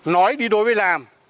nói đi đối với làm